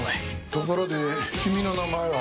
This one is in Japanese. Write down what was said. ところで君の名前は？